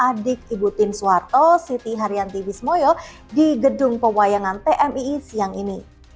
adik ibu tin suharto siti haryanti wismoyo di gedung pewayangan tmii siang ini